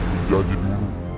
kamu harus beri janji dulu